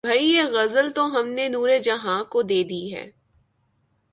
بھئی یہ غزل تو ہم نے نور جہاں کو دے دی ہے